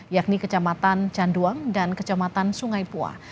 yakni kecamatan canduang dan kecamatan sungai pua